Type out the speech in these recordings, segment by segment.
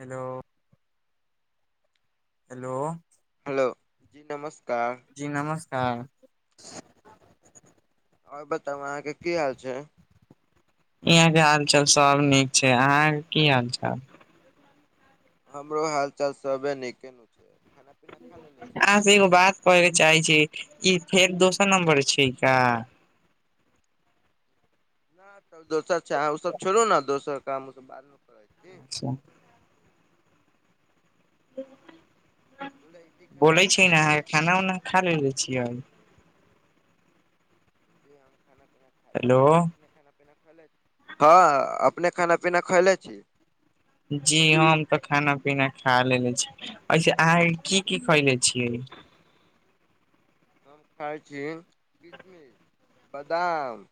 Hello. Hello- hello, जी नमस्कार। जी नमस्कार। आओर बताउ अहाके की हाल छय? यहां के हालचाल सब नीक छैय अहाके की हालचाल? हमरो हाल चाल सबे नीके अय। [unintelligible] अहास एगो बात कहे चाहेय छी की इ फेर दोसर नम्बर छी का? ह दोसर चाह ओ सब छोड़ु नऽ दोसर कामक क बाद में कहय छी। अच्छा ऽ बोलै छी खाना बोलेय पीना छी खा न अहा लेले छी खाना वाना खा लेलेे छियै? हेलो [unintelligible] [unintelligible] ह अपने खाना पीना खैलैय छीयै? जी हम तऽ खाना पीना खा लेले छी। ऐस अहां की -की- कयने छियैय। हम खाइ छी किशमिश, बदाम-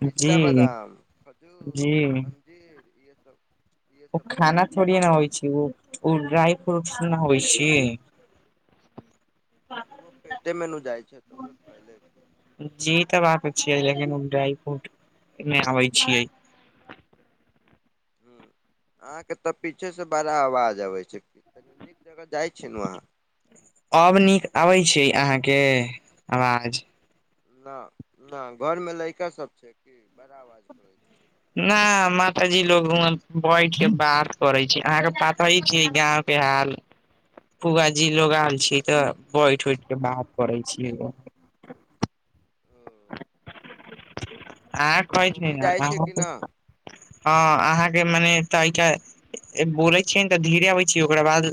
पिस्ता जी बदाम, खजुर, जी अंजीर ये सब। इहे ओ सब खैले खाना छी थोड़िये न होइ छैय ओ ड्राइफ्रूट न होइ छी। त ओहो पेटेमे नु जाइ छैय तऽ ओ फैले छैय। जी तऽ बात छियै लेकिन उ ड्राई फ्रूट- मे आबै य छियै। अहां के तऽ पीछे से बड़ा आवाज आबेय छै कनी निक जगह जाय छी नु वहां। आब नीक अबैय छैय अहांके -आवाज? न -न- घरमे लइका सब छैय की बड़ा आवाज करेय छैय। न माताजी लोग व बैठ के बात करैय छैय। अहाके पापा इ [unintelligible] ठीक वां के हाल- [inaudible] फुआ जी लोग आल छैय हूँ तऽ हूँ बैठ उठ के बात करे छी। ह- अहा कहैय छी न छै कि न [unintelligible] ह अहाके मने तयक ऐ बोले छैियै न तऽ धीरे आबैय छैय ओकरा बाद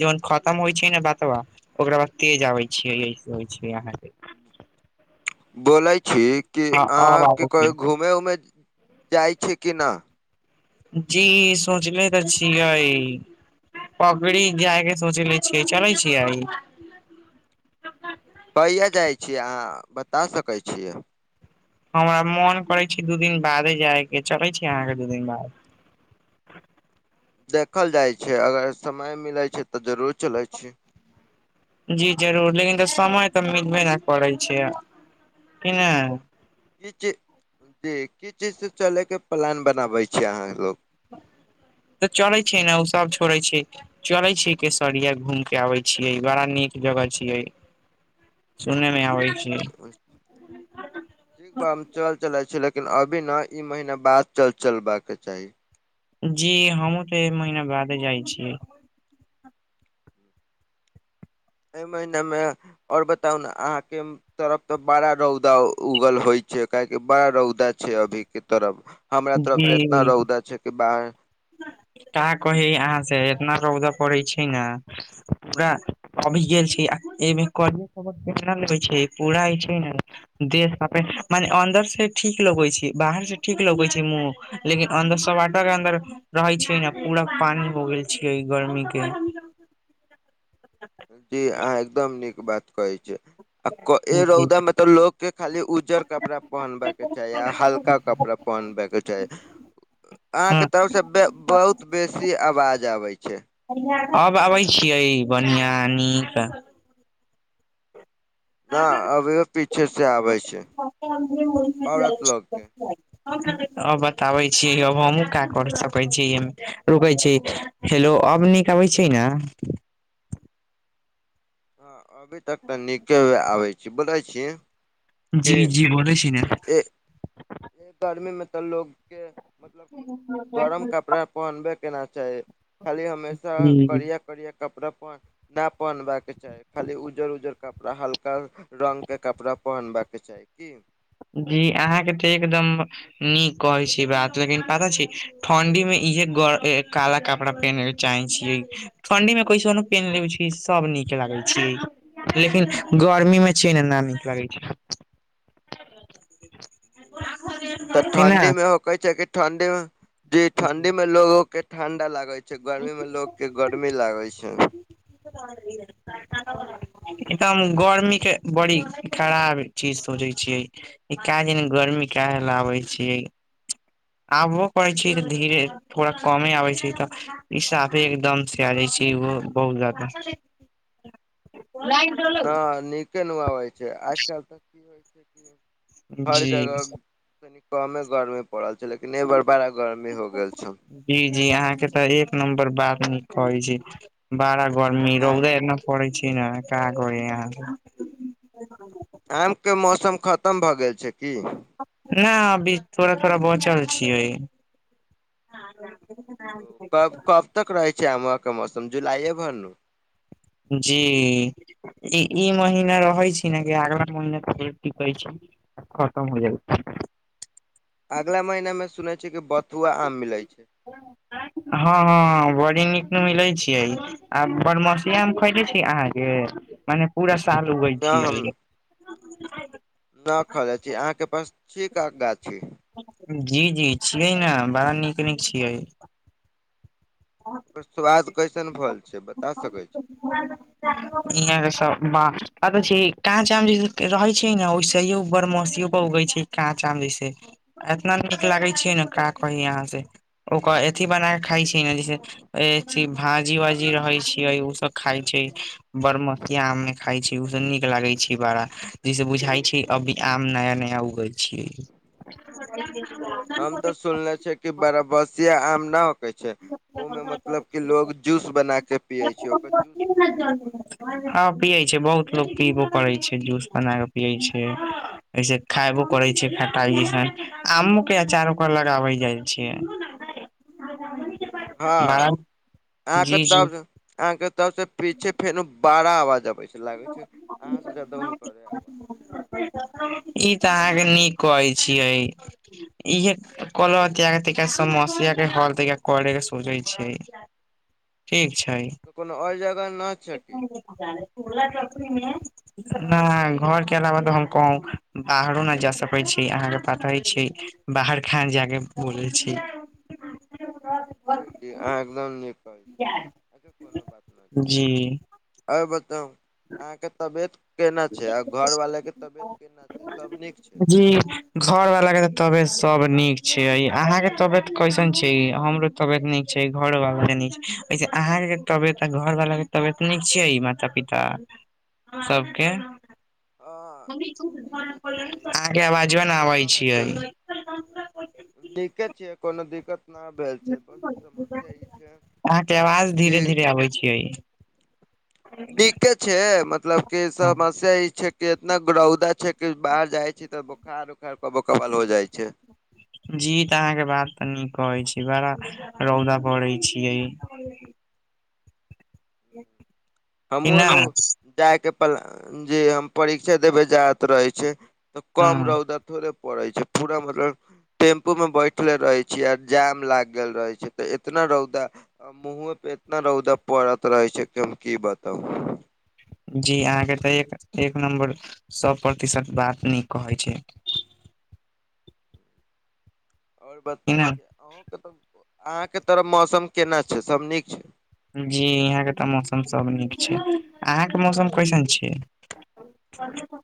जहन खतम होइ छैय न बातबा- ओकरा बाद तेज आबैय छैय यसे होइ छैय अहांके- बो-बोलय छी कि हँ अब अहाके आबै कहियो छै घूम- घुमे उमे जाइ छियैय कि ना? जी सोचनेे तऽ छियैय। पगड़ी जायके सोचने छियै चलै छियै? कहिया जाइ छीयै अहा बता सकै छियै? हमरा मोन करैय छैय दु दिन बादे जाय के चलैय छीयै अहाके दु दिन बाद? देखल जाइ छैय अगर समय मिलैय छैय तऽ जरूरे चलैय छीयै। जी जरूर लेकिन तऽ समय तऽ मिलबे न करैय छैय कि ने? कीच जे कीच से चलैके प्लान बनाबैय छय अहा लोग। तऽ चलै छी न ओ सब छोड़ै छी। चले छियै केसरिया घुम के आबे छियै बड़ा नीक जगह छियै। सुनैयमे आबैय छैय। [unintelligible] ठीक बा हम चल चले छी लेकिन अभी न महीना बाद चल चलबाका के चाही। जी हमहु तऽ एहि महीना बादे जाइ छियै। एहि महिनामे और बताउ ने अहाके म- तरफ तऽ बड़ा रौदा उगल होइ छैय काहेक बड़ा रौदा छैय अभी के तरफ। हमरा तरफ तऽ एतना जी रौदा छै कि बाहर- का कही अहा से इतना रौदा पड़ैय छैय ने- पुरा अभी गेल छियै एहिमे कनिये खबर केना लेैय छैय पूरा जे छैय ने- देखमे मने अन्दर से ठीक लगैय छैय बाहर से ठीक लगैय छैय- तमो लेकिन अन्दर सब आटा के अन्दर- रहैय छैय न पुरा पानि भऽ गेल छीयै गर्मी के- जी अहाँ एकदम नीक बात कहै छीयै। आ को- ए जी रौदा में तो लोग के खाली उज्जर कपड़ा पहनबा के- चाय हल्का कपड़ा पहनब के चाही। अहां के हँ तरफ से बे-बहुत बेसी आवाज आबे छै। आब आबै छियै बढ़िआं, नीक? [unintelligible] न अभियो पीछे से आबै छै औरत लोग के अ बताबै छी अब हमहूँ का कर सकै छीै एयम रुकै छी। हेलो! अब नीक अबै छै न? ह अभी तक तऽ नीके आबै छी, बोलै छी। जी! कि जी! बोलै छी ने। गर्मीमे तऽ लोकके, मतलब कि गरम कपड़ा पहनबे के ना चाही, खाली हमेशा जी बढिया- बढिया कपड़ा पहन न पहनबाक के चाही, खाली उज्जर -उज्जर कपड़ा हल्का रंग के कपड़ा पहनबाक के चाही की? जी! अहाँके तऽ एकदम नीक कहै छी बात, लेकिन पता छी ठंडी में इहे ग काला कपड़ा पहिने छै। चाहे छीयै, ठंडी मे कैसनो पेन ले छी सब नीक लागे छै। लेकिन गर्मी मे छै ने, ना नीक लगै छै। तऽ कि न ठंडी में हो कहे छै, क ठंडी मे जी ठंडी में लोग के ठंडा लागे छै। गर्मीमे लोकके गरमी लागै छै। बै [unintelligible] एकदम गर्मी के बड़ी खराब चीज सोचै छियै। [unintelligible] एक कए दिन गर्मी क ल आबै छियै। आबो करै छै तऽ, धीरे थोड़ा कमे आबै छै तऽ। ई साफे एकदम से आ जाइ छै बहुत जाद [unintelligible] न, नीके न आबइ छै, आज कल तक की होइ छै कि हर जगह जी कनी कमे गर्मी पड़ल छै, लेकिन ए बड़ बड़ा गर्मी हो गेल छौ। जी -जी! अहाँके तऽ, एक नम्बर बात नीक कहै छी। बड़ा गर्मी आ रौदेना इतना पड़ै छै ने, का करि यहाँ पे हम। आम के मौसम खतम भऽ गेल छै। की। ना अभी, थोड़ा -थोड़ा बचल छियै। तब कप [unintelligible] तक रहै छै, आम मौसम जुलाइए भर न। जी! ई ई महीना रहै छी ने, कि अगला महिना तऽ टिकै छै। खतम होइ जाइ छै। अगला महीनामे सुनै छियै कि, बथुआ आम मिलैत छै। हँ, हँ बड़ी नीक मिले छियै। आ बारमसिया आम खैले छी अहाँ के, मने पूरा साल होइ छै। [inaudible] ना खने छी, अहाँ के पास गाछ छै? जी- जी छियै ने, बड़ा नीक -नीक छियै। ओकर स्वाद कैसन होइ छै, बता सकै छी? ह [unintelligible] इह के सब बाह छै काँच आम जे रहै छै ने, [unintelligible] ओहिसोड़ मसो उगै छै, काँच आम जे से, एतना नीक लागे छै ने, काँ कही अहाँ से ओकर अथी बना क खाइ छै ने, जैसे भाजी- वाजी रहे छीे, उ सब खाय छै बरमसिया आम मे खायई छै, सब नीक लागे छै। बारा जैसे बुझाइ छै, अभी आम नया- नया उगल छी। [inaudible] हम तो सुनले छियै कि, बड़ा बसिया आम न छै, ओ मे मतलब क लोग जूस बना के पिये छै। छै हॅं, पियै छै, बहुत लोक पीबो करै छै जूस बना कऽ पियै छै। अईसऽ खायबो करै छै खटाइ जेैशन, आमो के अचार ओकर लगाबै जाय छै। [unintelligible] हॅं, बड़ा अहाँ के जी जी तब आहां के तब से पीछे फेनो बाड़ा आवाज आबै छै, लागे छै अहां सेे ज्यादा हुनकरे आवाज इ तऽ आहाँ के नीक कहै छियै, इहे कलौं हैं जैह हेतै तैंय समस्यै के हॉल देैय के करैय सोचै छियै। ठीक छैय। तऽ कोनो और जगह न छ की? [unintelligible] चूला चौकी में ना, घर के अलावा तऽ हम कहूं बाहरो नैय जा सकै छी आहाँ के पताय छैय। बाहर खान जा क बोलै छी। जी-जी आहाँ एकदम नीक कहै छी जी। और बताउ आहाँ के तबेत केना छै? आ घर वाला के तबेयत केना छै? सब नीक छै? जी घर वला के त तबेयत सब नीक छै ई अहां के तबेयत कैसन छी? हमरो तबेत नीक छै। घरो बला के नीक छै। इजे आहाँ के तबेत आ घर वला के तबेत नीक छै? माता-पिता ताऽ सब के? हँ मम्मी तु जे घरल नीके परल रहीं, छियै अहां के कोनो आवाजो दिक्कत नैय तऽ नहि आबैय भेल छीयै। छै नीके छियै, कोनो दिक्कत नहि भेल छै बस समस्या ई छै [inaudible] अहाँ के आवाज कि धीरे -धीरे आबै छियै। नीके छै, मतलब की समस्या इ छैय के इतना रौदा छै कि बाहर जाय छी तऽ बोखार उखार बोकबल हो जाय छै। जी तऽ अहाँ के बात तऽ नीक अछि, बड़ा रौदा पड़ै छियै। एक हमहुंओ लोग जाय के पला-न जे हम परीक्षे देबे जात रहै छीयै। तऽ हँ कम रौदा थोड़े पड़ै छै पूरा मतलब टेम्पू में बैठले रहेै छियै, आ जाम लाग गेल रहे छै, तऽ इतना रौदा आ मुँहो पे एतना रौदा परत रहै छै की हम की बताउ? जी आहाँ के तऽ एक-एक नम्बर सौ प्रतिशत बात नीक कहै छियै। और कि बताय न छै? अहुं के तऽ अहाँ के तरफ मौसम केना छै? सब नीक छै? जी यीहाँ के तऽ मौसम सब नीक छै। आहाँ के मौसम कइसन छैय? [inaudible]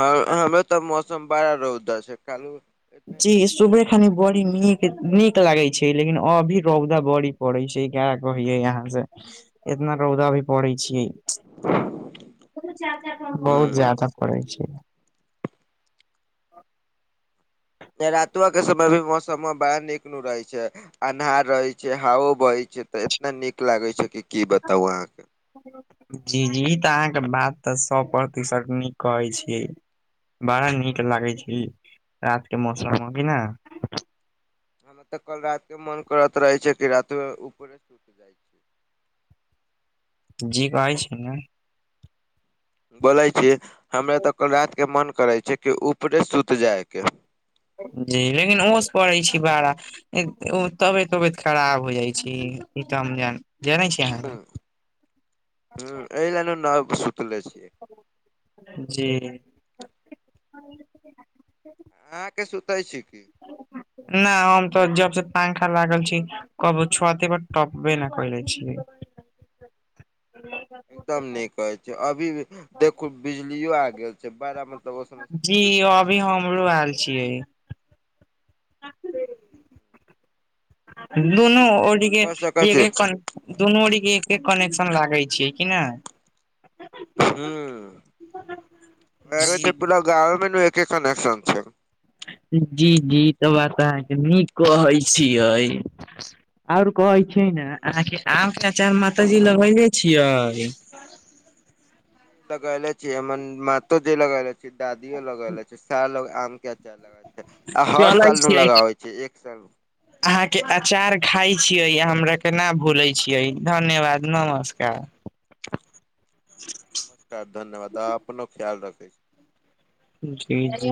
हंऽ हमर तऽ मौसम बड़ा रौदा छै, कालू एतना जी नीक सुबे मौसम खानी बॉड़ रहै नीक छै -नीक लागै छै, लेकिन अभी रौदा बड़ी पड़ै छै क्या कहियै आहाँ से? इतना रौदा भी पड़ै छियै। [inaudible] बहुत हूँ ज्यादा पड़ै छियै। रातुवा के समय भी मौसम मे बाहर नीकनू रहै छैय। अन्हार रहै छै, हावो बहै छै, तऽ एतना नीक लागे छै कि बताउ आहाँके? जी जी तऽ आहाँ के बात तऽ सौ प्रतिशत नीक कहै छियै। बड़ा नीक लागेै छै रात के मौसम में कि न? हमे तऽ कल रात के मन करत रहे छै कि रातो ऊपरे सु जाय छी। जी बाजे छी न। बोलै छी हमरा तऽ कल रातिके मन करै छैय कि ऊपरे सुत जायके। जी लेकिन ओंस पड़ै छैय बाड़ा। ओ तबियत उबियत खराब हो जाइ छैय ई तऽ हम ज जानै छी अहाँके। हुं एहिलै न नहर पर सुतले छि। जी। अहाँके सुतै छी की। ना हम तऽ जब से पंखा लागल छी कबो छत पे टपबे नै कैले छि। एकदम नीक कहै छैय अभी देखू बिजलियो आ गेल छैय बड़ा मत जी यो अभी हमरो आयल छियै। दुोनू ओरि के का कर सकै छी [unintelligible] दुनू ओरी के एके कनेक्शन लागे छिये कि ना। हुं कह रहे थे जी पूरा गाँमे मे न एके कनेक्शन छैय। जी जी ई तऽ बात अहाँके नीक कहै छियै। और कहै छैय ना अहाँके आम चचा माताजी लगेले छियै। लगेले छी हमर मातो जे लगेले छी दादियो लगेले छैय सा लोग आम के अचार लग छैय। आ हर चलै साल मे छियै लगावे छैय एक साल अहाँके अचार खाय छियै आ हमरा केना भूलैय छियै धन्यवाद नमस्कार। नमस्कार धन्यवाद अपनो ख्याल रखै छी। जी जी।